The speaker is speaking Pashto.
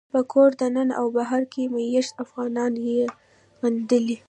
په کور دننه او بهر کې مېشت افغانان یې غندي